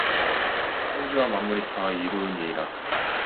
천지와 만물이 다 이루니라